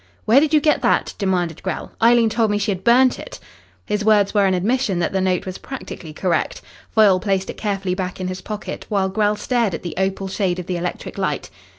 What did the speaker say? "Where did you get that?" demanded Grell. "Eileen told me she had burnt it." His words were an admission that the note was practically correct. Foyle placed it carefully back in his pocket, while Grell stared at the opal shade of the electric light.